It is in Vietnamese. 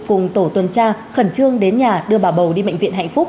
cùng tổ tuần tra khẩn trương đến nhà đưa bà bầu đi bệnh viện hạnh phúc